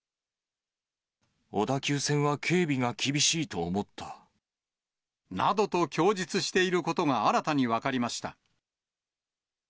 小田急線は警備が厳しいと思などと供述していることが、新たに分かりました。